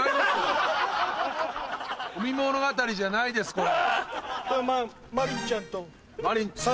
「海物語」じゃないですこれ。